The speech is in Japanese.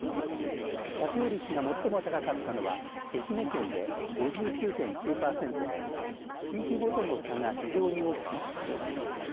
着用率が最も高かったのは愛媛県で５９．９パーセントで地域ごとの差が非常に大きくなっています。